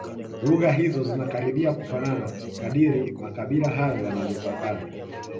Lugha hizo zinakaribia kufanana kadiri makabila hayo yalivyopakana